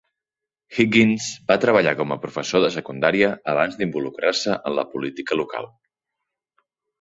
Higgins va treballar com a professor de secundària abans d'involucrar-se en la política local.